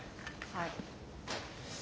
はい。